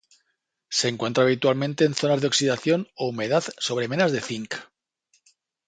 Se encuentra habitualmente en zonas de oxidación o humedad sobre menas de zinc.